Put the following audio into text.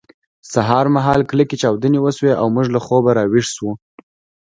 سهار مهال کلکې چاودنې وشوې او موږ له خوبه راویښ شوو